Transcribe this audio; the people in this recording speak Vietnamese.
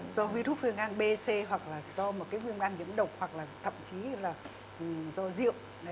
do virus phương an b c hoặc là do một cái viêm gan nhiễm độc hoặc là thậm chí là do rượu